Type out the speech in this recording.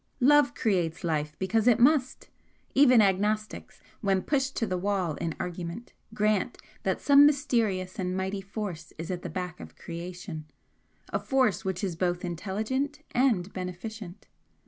Love creates life because it MUST; even agnostics, when pushed to the wall in argument grant that some mysterious and mighty Force is at the back of creation, a Force which is both intelligent and beneficent.